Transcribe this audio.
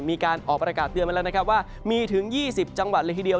มีการออกประกาศเตือนมาแล้วนะครับว่ามีถึง๒๐จังหวัดเลยทีเดียว